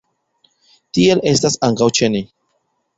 Tiel estas ankaŭ ĉe ni.